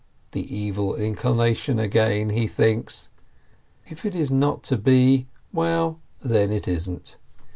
The Evil Inclination again, he thinks. If it is not to be, well, then it isn't